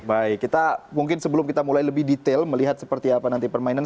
baik kita mungkin sebelum kita mulai lebih detail melihat seperti apa nanti permainan